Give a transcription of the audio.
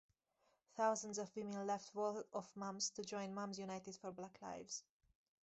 Thousands of women left Wall of Moms to join Moms United for Black Lives.